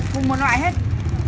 chứ không giúp gì cúi gà nằm được